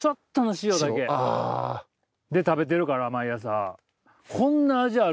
で食べてるから毎朝。